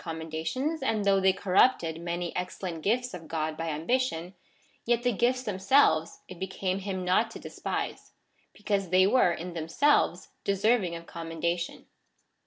commendations, and though they corrupted many excellent gifts of God by ambition, yet the gifts themselves it became him not to despise, because they were, in themselves, deserv ing of commendation.